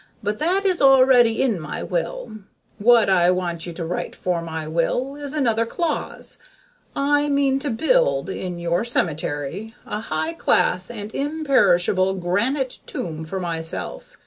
"But that is already in my will. What I want you to write for my will, is another clause. I mean to build, in your cemetery, a high class and imperishable granite tomb for myself.